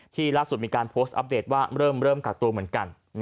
ล่าสุดมีการโพสต์อัปเดตว่าเริ่มกักตัวเหมือนกัน